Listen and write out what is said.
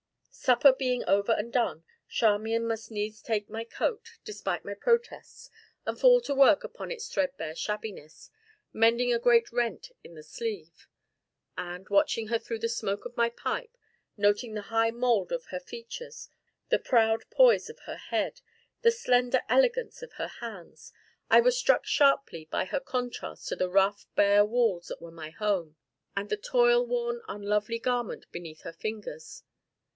Supper being over and done, Charmian must needs take my coat, despite my protests, and fall to work upon its threadbare shabbiness, mending a great rent in the sleeve. And, watching her through the smoke of my pipe, noting the high mould of her features, the proud poise of her head, the slender elegance of her hands, I was struck sharply by her contrast to the rough, bare walls that were my home, and the toil worn, unlovely garment beneath her fingers.